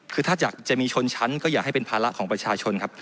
คือถ้าอยากจะมีชนชั้นก็อยากให้เป็นภาระของประชาชนครับ